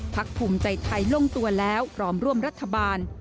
ภูมิใจไทยลงตัวแล้วพร้อมร่วมรัฐบาล